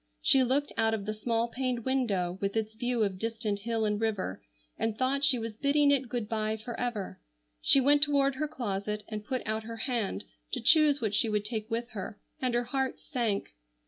She looked out of the small paned window with its view of distant hill and river, and thought she was bidding it good bye forever. She went toward her closet and put out her hand to choose what she would take with her, and her heart sank.